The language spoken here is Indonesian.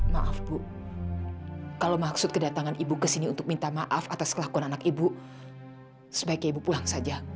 maaf bu kalau maksud kedatangan ibu kesini untuk minta maaf atas kelakuan anak ibu sebaiknya ibu pulang saja